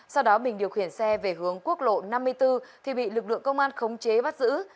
sau đó bình điều khiển xe về hướng quốc lộ năm mươi bốn thì bị lực lượng công an khống chế bắt giữ